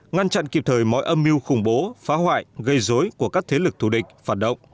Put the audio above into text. ngăn chặn kịp thời mọi âm mưu khủng bố phá hoại gây dối của các thế lực thù địch phản động